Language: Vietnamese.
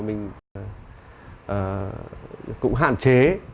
mình cũng hạn chế